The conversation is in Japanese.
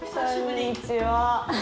こんにちは。